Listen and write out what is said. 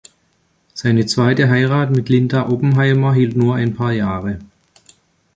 Seine zweite Heirat mit Linda Oppenheimer hielt nur ein paar Jahre.